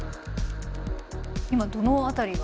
今どの辺りが？